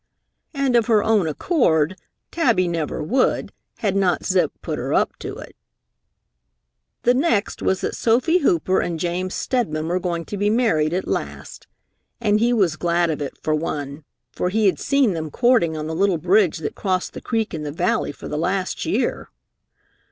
And of her own accord, Tabby never would, had not Zip put her up to it. The next was that Sophie Hooper and James Steadman were going to be married at last. And he was glad of it, for one, for he had seen them courting on the little bridge that crossed the creek in the valley for the last year!